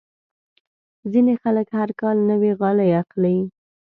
ځینې خلک هر کال نوې غالۍ اخلي.